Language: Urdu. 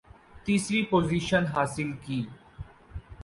تیسری پوزیشن حاصل کی